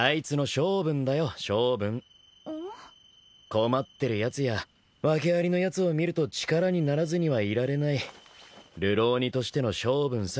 困ってるやつや訳ありのやつを見ると力にならずにはいられない流浪人としての性分さ。